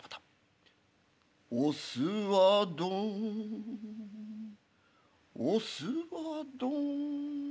「おすわどんおすわどん」。